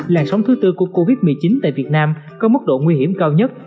làn sóng thứ tư của covid một mươi chín tại việt nam có mức độ nguy hiểm cao nhất